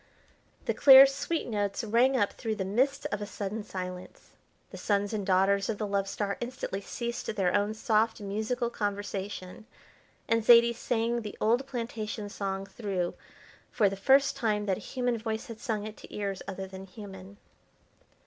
The clear, sweet notes rang up through the midst of a sudden silence. The sons and daughters of the Love Star instantly ceased their own soft musical conversation, and Zaidie sang the old plantation song through for the first time that a human voice had sung it to ears other than human.